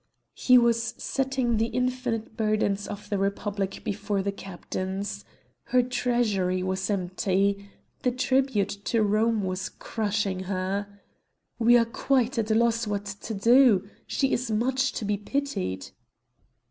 He was setting the infinite burdens of the Republic before the captains. Her treasury was empty. The tribute to Rome was crushing her. "We are quite at a loss what to do! She is much to be pitied!"